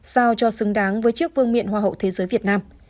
sao cho xứng đáng với chiếc vương miện hoa hậu thế giới việt nam